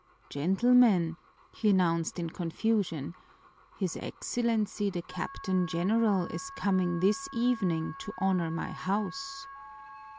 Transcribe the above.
"Gentlemen," he announced in confusion, "his Excellency the Captain General is coming this evening to honor my house."